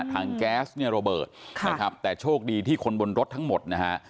ทางแก๊สโรเบิร์ตนะครับแต่โชคดีที่คนบนรถทั้งหมดนะฮะ